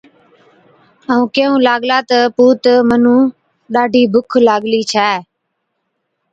ائُون ڪيهُون لاگلا تہ، پُوت، مُنُون ڏاڍِي بُک لاگلِي ڇَي،